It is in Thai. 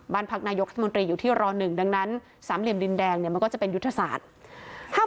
บ้านพักนายกรัฐมนตรีอยู่ที่ร๑ดังนั้นสามเหลี่ยมดินแดงเนี่ยมันก็จะเป็นยุทธศาสตร์